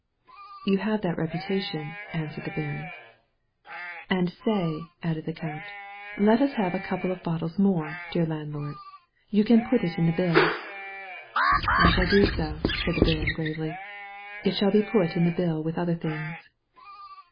'* "You have that reputation/' answered the baron. ''And say," added the count, "let us have a couple of bottles more, dear landlord. You can put it in the bill." "I shall do so," said the baron gravely. "It shall be put in the bill with other things."